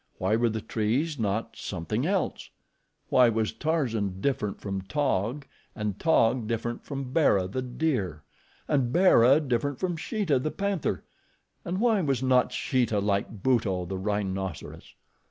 Why were the trees not something else? Why was Tarzan different from Taug, and Taug different from Bara, the deer, and Bara different from Sheeta, the panther, and why was not Sheeta like Buto, the rhinoceros?